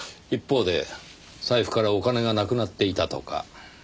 一方で財布からお金がなくなっていたとか。